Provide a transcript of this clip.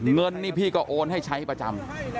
เงินนี่พี่ก็โอนให้ใช้ประจำ